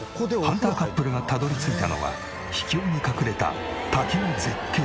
ハンターカップルがたどり着いたのは秘境に隠れた滝の絶景。